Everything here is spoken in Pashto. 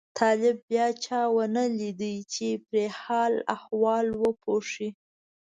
طالب بیا چا ونه لیده چې پرې حال احوال وپوښي.